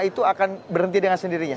itu akan berhenti dengan sendirinya